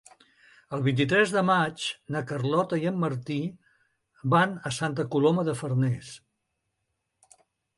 El vint-i-tres de maig na Carlota i en Martí van a Santa Coloma de Farners.